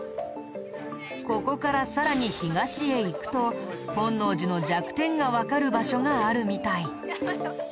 ここからさらに東へ行くと本能寺の弱点がわかる場所があるみたい。